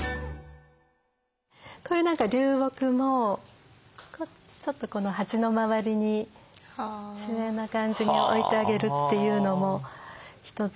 これなんか流木もちょっとこの鉢の周りに自然な感じに置いてあげるっていうのも一つですね。